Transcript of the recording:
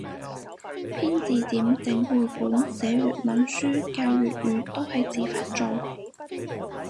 編字典整繪本寫粵文書教粵語都係自發做